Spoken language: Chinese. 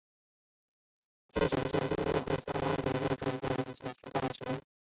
这座建筑和汉德瓦萨的其他建筑一样引起了巨大的争议。